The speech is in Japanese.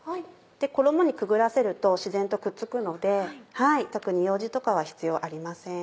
衣にくぐらせると自然とくっつくので特にようじとかは必要ありません。